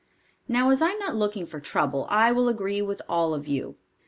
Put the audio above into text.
Now as I am not looking for trouble, I will agree with all of you.